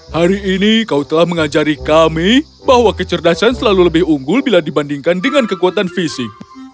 hari ini kau telah mengajari kami bahwa kecerdasan selalu lebih unggul bila dibandingkan dengan kekuatan fisik